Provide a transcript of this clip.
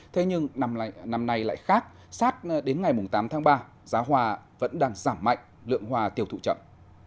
thế nhưng năm nay lại khác sát đến ngày tám tháng ba giá hoa vẫn đang giảm mạnh lượng hoa tiêu thụ chậm